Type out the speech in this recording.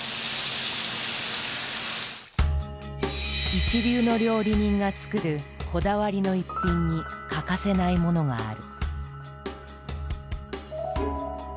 一流の料理人が作るこだわりの逸品に欠かせないモノがある。